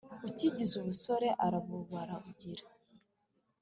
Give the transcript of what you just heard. Ukize ubusore arabubagira